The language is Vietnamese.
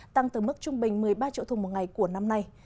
tăng từ mức trung bình một mươi ba triệu thùng một ngày của năm nay